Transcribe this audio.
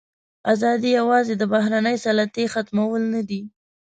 ازادي یوازې د بهرنۍ سلطې ختمول نه دي.